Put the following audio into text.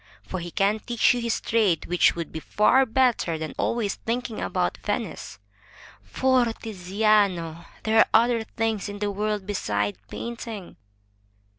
For he can teach you his trade, which would be far better than always think ing about Venice. For, Tiziano, there are other things in the world beside painting."